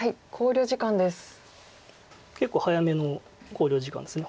結構早めの考慮時間ですね。